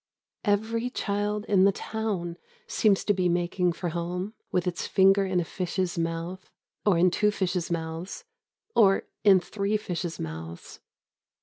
Every child in the town seems to be making for home with its finger in a fish's mouth, or in two fishes' mouths, or in three fishes' mouths.